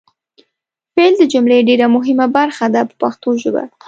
فعل د جملې ډېره مهمه برخه ده په پښتو ژبه.